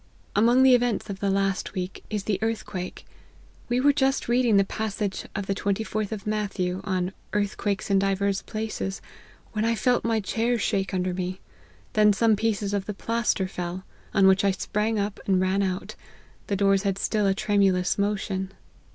" Among the events of the last week is the earth quake ; we were just reading the passage of the 24th of Matthew, on l earthquakes in divers places,' when I felt my chair shake under me ; then some pieces of the plaster fell ; on which I sprang up and ran out; the doors had still a tremulous motion."